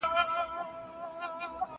زه به سبا پوښتنه وکړم؟